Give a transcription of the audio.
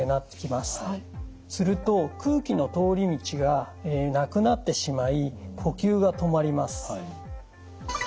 すると空気の通り道がなくなってしまい呼吸が止まります。